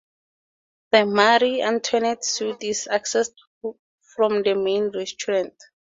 The Marie Antoinette Suite is accessed from the main restaurant.